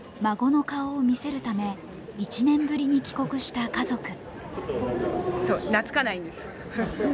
孫の顔を見せるため１年ぶりに帰国した家族。